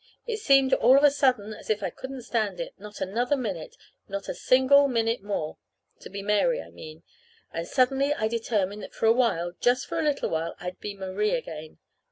It seemed all of a sudden as if I couldn't stand it not another minute not a single minute more to be Mary, I mean. And suddenly I determined that for a while, just a little while, I'd be Marie again.